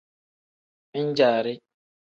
Min-jaari.